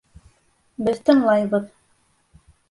Беҙ тыңлайбыҙ.